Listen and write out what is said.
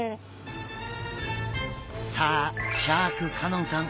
さあシャーク香音さん